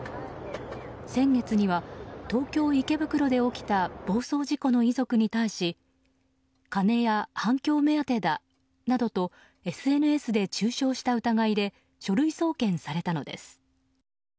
先月には、東京・池袋で起きた暴走事故の遺族に対し金や反響目当てだなどとＳＮＳで中傷した疑いで書類送検されたのです。